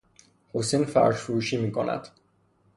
حسین فرش فروشی میکند.